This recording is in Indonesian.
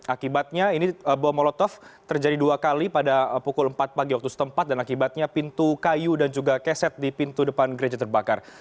akibatnya ini bom molotov terjadi dua kali pada pukul empat pagi waktu setempat dan akibatnya pintu kayu dan juga keset di pintu depan gereja terbakar